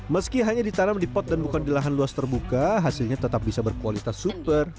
meski hanya ditanam di pot dan bukan di lahan luas terbuka hasilnya tetap bisa berkualitas sumber